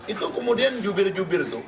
itu kemudian jubir jubir tuh